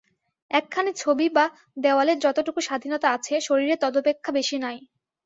একখানি ছবি বা দেওয়ালের যতটুকু স্বাধীনতা আছে, শরীরের তদপেক্ষা বেশী নাই।